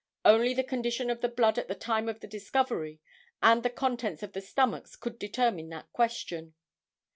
Only the condition of the blood at the time of the discovery, and the contents of the stomachs could determine that question.